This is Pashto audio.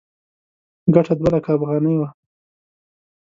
ګټه دوه لکه افغانۍ وه.